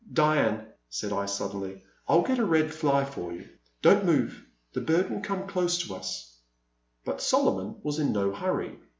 Diane," said I, suddenly, I '11 get a red fly for you ; don't move — the bird will come close to us." But Solomon was in no hurry.